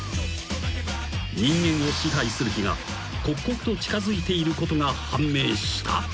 ［人間を支配する日が刻々と近づいていることが判明した］